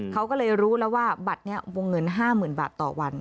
เขาก็เลยรู้แล้วว่าบัตรนี้วงเงิน๕๐๐๐บาทต่อวัน